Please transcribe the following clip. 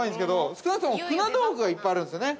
少なくとも船道具がいっぱいあるんですよね。